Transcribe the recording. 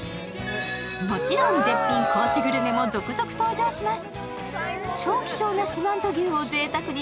もちろん絶品高知グルメも続々登場します。